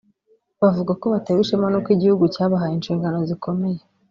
bavuga ko batewe ishema n’uko igihugu cyabahaye inshingano zikomeye